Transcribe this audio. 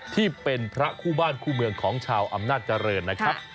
ที่เป็นพระคู่บ้านคู่เมืองของชาวอำนาจเจริญนะครับ